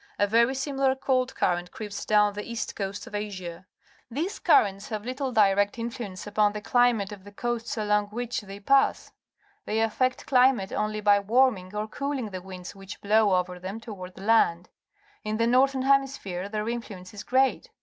A very si milar cold c urrent cree ps down the east coast of Asia , These currents have little direct influence upon the climate of the coasts along which The Tidal Bore in the Petitcodiac River, Moncton, N.B. warming or cooling tlie winds which blow over them towartl the lancL In the northern hemisphere their influence is great.